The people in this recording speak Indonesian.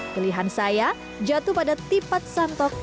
pilihan saya jatuh pada tipat santok